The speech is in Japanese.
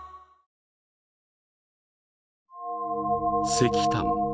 「石炭。